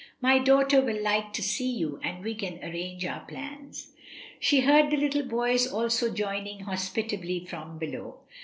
"My daughter will like to see you, and we can arrange our plans." She heard the little boys also joining hospitably from below: "M.